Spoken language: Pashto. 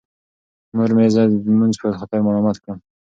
مور مې زه د لمونځ په خاطر ملامت کړم.